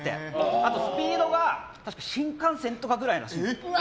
あと、スピードが新幹線とかぐらいの。